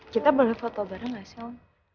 kita boleh foto bareng gak sih om